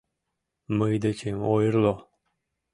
Мый дечем ойырло!